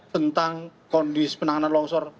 tentang kondisi penanganan longsor